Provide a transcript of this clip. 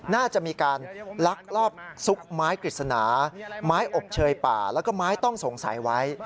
น่าจะมีการลักลอบซุกไม้กฤษณาไม้อบเชยป่าแล้วก็ไม้ต้องสงสัยไว้